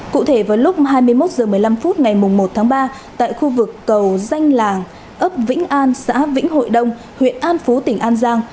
cụ thể vào lúc hai mươi một h một mươi năm phút ngày một tháng ba tại khu vực cầu danh làng ấp vĩnh an xã vĩnh hội đông huyện an phú tỉnh an giang